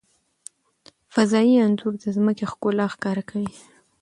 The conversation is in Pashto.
فضايي انځور د ځمکې ښکلا ښکاره کوي.